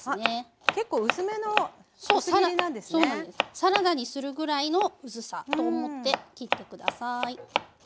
サラダにするぐらいの薄さと思って切ってください。